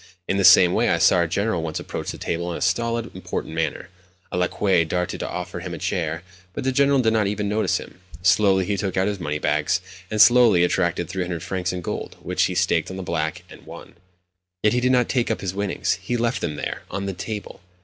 In the same way, I saw our General once approach the table in a stolid, important manner. A lacquey darted to offer him a chair, but the General did not even notice him. Slowly he took out his money bags, and slowly extracted 300 francs in gold, which he staked on the black, and won. Yet he did not take up his winnings—he left them there on the table.